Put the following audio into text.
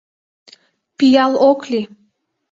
— Пиал ок лий...